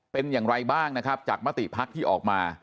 เป็นอย่างไรบ้างนะครับจากมติภักดิ์ที่ออกมา